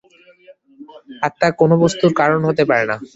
আত্মা কোন বস্তুর কারণ হতে পারে না।